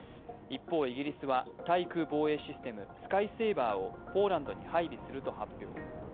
一方、イギリスは対空防衛システムスカイセイバーをポーランドに配備すると発表。